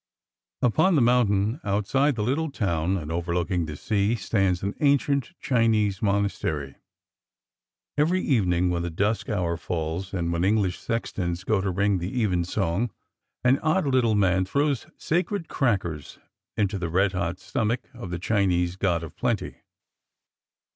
Upon the mountain outside the little town, and overlooking the sea, stands an ancient Chinese monastery. Every evening when the dusk hour falls, and when English sextons go to ring the evensong, an odd little man throws sacred crackers into the red hot stomach of the Chinese God of Plenty.